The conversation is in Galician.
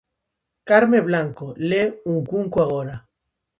Carme Blanco le "Un cunco agora".